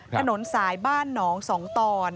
ถนนสายบ้านหนองสองตอน